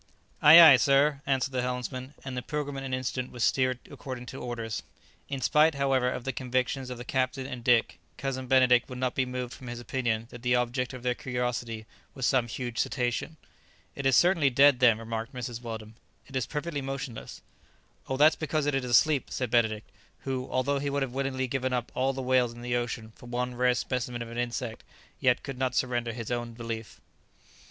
"Ay, ay, sir," answered the helmsman, and the "Pilgrim" in an instant was steered according to orders. In spite, however, of the convictions of the captain and Dick, Cousin Benedict would not be moved from his opinion that the object of their curiosity was some huge cetacean. "It is certainly dead, then," remarked Mrs. Weldon; "it is perfectly motionless." "Oh, that's because it is asleep," said Benedict, who, although he would have willingly given up all the whales in the ocean for one rare specimen of an insect, yet could not surrender his own belief.